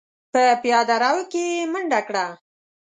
په پياده رو کې يې منډه کړه.